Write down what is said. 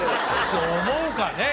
そう思うかね？